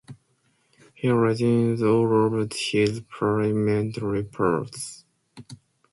He retains all of his parliamentary powers.